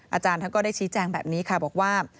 อาจารย์ท่านก็ได้ชี้แจงแบบนี้ค่ะบอกว่า